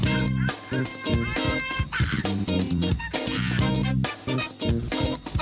โอ้โหโอ้โหโอ้โห